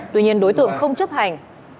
tuy nhiên đối tượng không chấp hành